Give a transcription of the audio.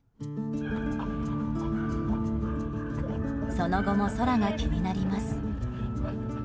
その後も空が気になります。